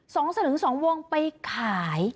สลึงสองวงไปขาย